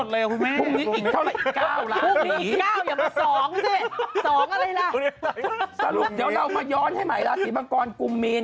เดี๋ยวจะมาย้อนใหม่ละปีบังกรกุมมีน